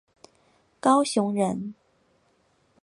高雄人。